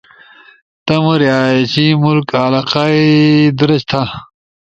تمو رہائشی ملک/ علاقہ ئی درج تھا